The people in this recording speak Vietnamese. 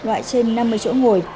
loại trên năm mươi chỗ ngồi